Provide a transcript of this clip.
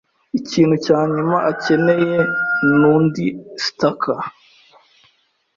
Ikintu cya nyuma akeneye ni undi stalker.